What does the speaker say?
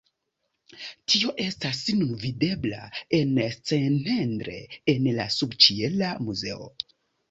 Tio estas nun videbla en Szentendre en la subĉiela muzeo.